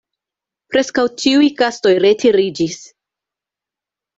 Preskaŭ ĉiuj gastoj retiriĝis.